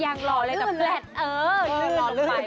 ยังรอเลยแหละ๓๒๐